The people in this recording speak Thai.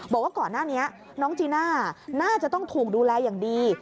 บอกว่าก่อนหน้านี้น้องจีน่าน่าจะต้องถูกดูแลอย่างดี